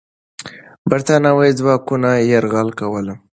برتانوي ځواکونه یرغل کوله.